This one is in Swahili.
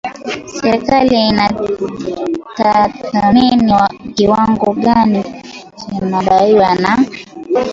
serikali inatathmini kiwango gani kinadaiwa na